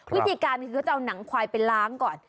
วิธีการคือเขาจะเอาหนังควายไปล้างก่อน